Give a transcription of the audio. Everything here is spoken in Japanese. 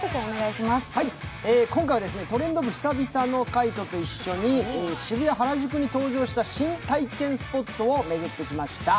今回は「トレンド部」久々の海音と一緒に渋谷・原宿に登場した新体験スポットを巡ってきました。